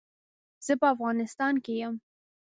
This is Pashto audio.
زه په افغانيستان کې يم.